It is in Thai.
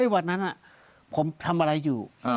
วันนั้นผมทำอะไรอยู่